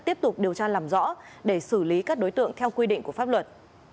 tiếp tục điều tra làm rõ để xử lý các đối tượng theo quy định của pháp luật